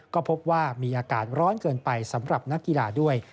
ก็พบว่ามีอากาศร้อนเกินไปสำหรับนักกีฬาด้วย